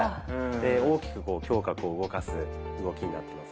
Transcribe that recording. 大きく胸郭を動かす動きになってますので。